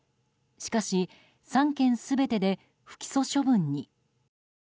しかし、３件全てで不起訴処分に。